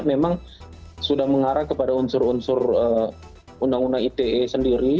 memang sudah mengarah kepada unsur unsur undang undang ite sendiri